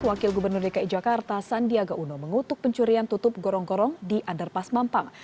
wakil gubernur dki jakarta sandiaga uno mengutuk pencurian tutup gorong gorong di underpas mampang